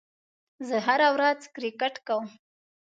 زه هره ورځ کرېکټ کوم.